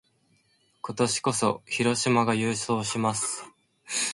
今年こそ、広島が優勝します！